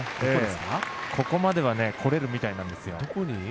ここまでは来れるみたいなんですよ。